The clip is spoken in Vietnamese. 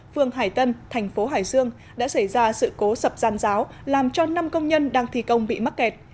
phường hải tân thành phố hải dương đã xảy ra sự cố sập giàn giáo làm cho năm công nhân đang thi công bị mắc kẹt